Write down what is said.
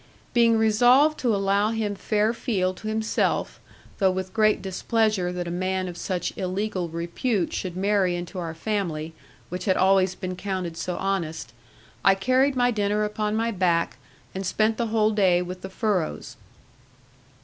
Being resolved to allow him fair field to himself, though with great displeasure that a man of such illegal repute should marry into our family, which had always been counted so honest, I carried my dinner upon my back, and spent the whole day with the furrows.